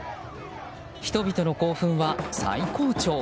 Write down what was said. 人々の興奮は最高潮。